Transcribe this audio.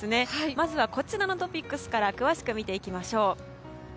まずはこちらのトピックスから詳しく見ていきましょう。